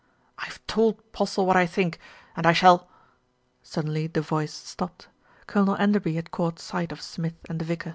"I have told Postle what I think, and I shall " Suddenly the voice stopped. Colonel Enderby had caught sight of Smith and the vicar.